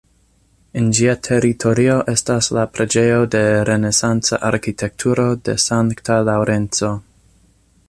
En ĝia teritorio estas la preĝejo de renesanca arkitekturo de sankta Laŭrenco.